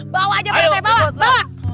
bawa aja para tek bawa